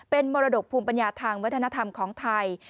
เป็นมรดกภูมิปัญญาทางวัฒนธรรมของไทย